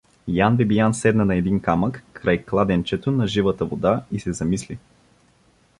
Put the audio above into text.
Ян Бибиян седна на един камък край Кладенчето на живата вода и се замисли.